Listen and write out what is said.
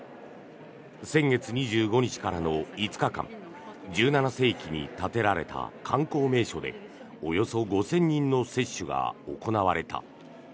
先月２５日からの５日間１７世紀に建てられた観光名所でおよそ５０００人の接種が行われた。